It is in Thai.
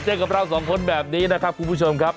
เจอกับเราสองคนแบบนี้นะครับคุณผู้ชมครับ